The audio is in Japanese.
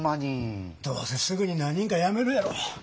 どうせすぐに何人かやめるやろ。